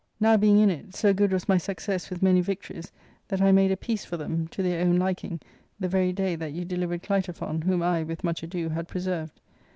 Now being in it, so good was my success with many victories, that I made a peace for themy to their own liking, the very day that you delivered Clitophon, whom I, with much ado, had preserved.